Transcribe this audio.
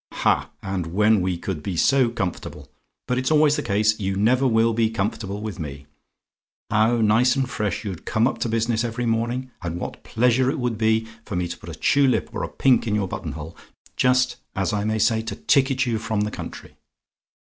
"Ha! and when we could be so comfortable! But it's always the case, you never will be comfortable with me. How nice and fresh you'd come up to business every morning; and what pleasure it would be for me to put a tulip or a pink in your button hole, just, as I may say, to ticket you from the country.